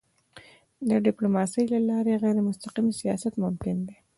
د ډيپلوماسی له لارې غیرمستقیم سیاست ممکن دی.